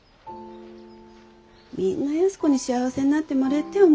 みんな安子に幸せになってもれえてえ思